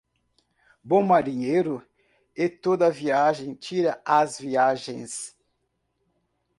Bom marinheiro, e toda viagem tira as viagens.